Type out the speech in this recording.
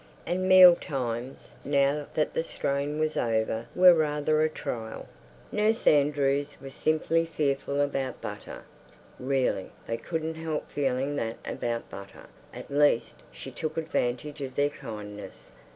And meal times now that the strain was over were rather a trial. Nurse Andrews was simply fearful about butter. Really they couldn't help feeling that about butter, at least, she took advantage of their kindness.